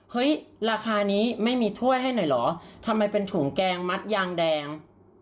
เฮ้ยราคานี้ไม่มีถ้วยให้หน่อยเหรอทำไมเป็นถุงแกงมัดยางแดง